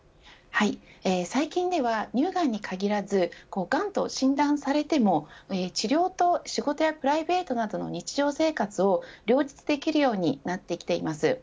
最近では乳がんに限らずがんと診断されても治療と仕事やプライベートなどの日常生活を両立できるようになってきています。